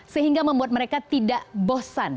sehingga membuat mereka tidak bosan